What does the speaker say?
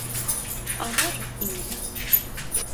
А можа, і не.